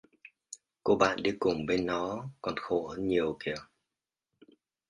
Cô bạn đi cùng bên nó còn khổ hơn nhiều kìa